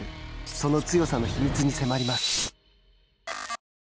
その強さの秘密に迫ります。